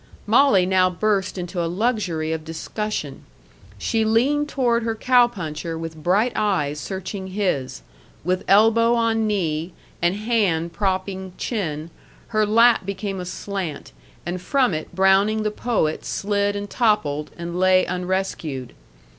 Molly now burst into a luxury of discussion. She leaned toward her cow puncher with bright eyes searching his; with elbow on knee and hand propping chin, her lap became a slant, and from it Browning the poet slid and toppled, and lay unrescued.